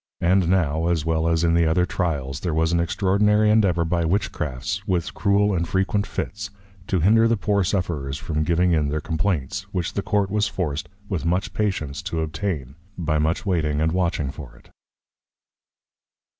And now, as well as in the other Trials, there was an extraordinary Endeavour by Witchcrafts, with Cruel and frequent Fits, to hinder the poor Sufferers from giving in their Complaints, which the Court was forced with much Patience to obtain, by much waiting and watching for it.